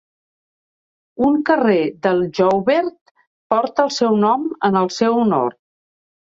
Un carrer en Ljouwert porta el seu nom en el seu honor.